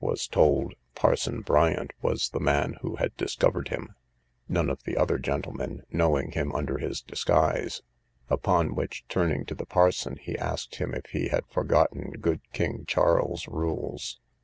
was told, Parson Bryant was the man who had discovered him, none of the other gentlemen knowing him under his disguise: upon which, turning to the parson, he asked him if he had forgotten good king Charles's rules?